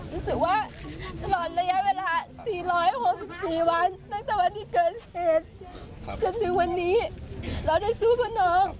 รู้สึกว่าตลอดระยะเวลา๔๖๔วัน